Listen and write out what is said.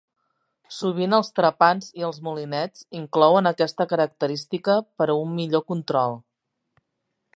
Sovint, els trepants i els molinets inclouen aquesta característica per a un millor control.